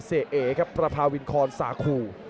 เอ๋ครับประพาวินคอนสาคู